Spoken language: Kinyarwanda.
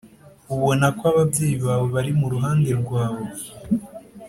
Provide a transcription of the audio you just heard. ubona ko ababyeyi bawe bari mu ruhande rwawe